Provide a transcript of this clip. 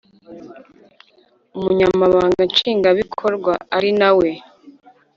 Umunyamabanga Nshingwabikorwa ari nawe